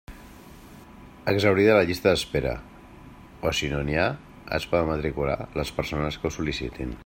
Exhaurida la llista d'espera o si no n'hi ha, es poden matricular les persones que ho sol·licitin.